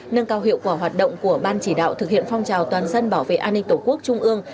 nâng cao hiệu quả hoạt động của ban chỉ đạo thực hiện phong trào toàn dân bảo vệ an ninh tổ quốc trung ương